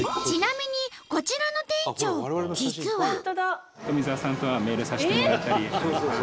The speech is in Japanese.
ちなみにこちらの店長実は。